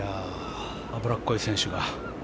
脂っこい選手が。